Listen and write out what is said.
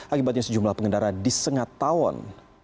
akibatnya sejumlah pengendara di sengat tahun